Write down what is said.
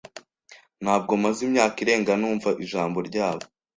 Ntabwo maze imyaka irenga numva ijambo ryabo.